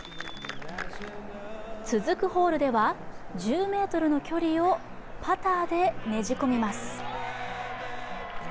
続くホールでは、１０ｍの距離をパターでねじ込みます。